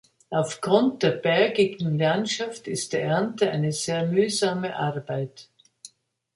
Aufgrund der bergigen Landschaft ist die Ernte eine sehr mühsame Arbeit.